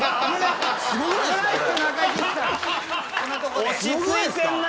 落ち着いてんな。